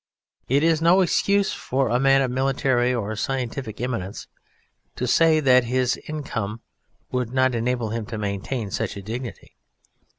It is no excuse for a man of military or scientific eminence to say that his income would not enable him to maintain such a dignity.